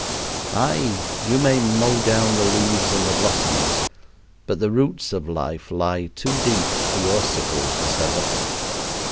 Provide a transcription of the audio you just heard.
Ay, you may mow down the leaves and the blossoms, but the roots of life lie too deep for your sickle to sever.